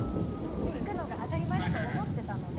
行くのが当たり前だと思ってたので。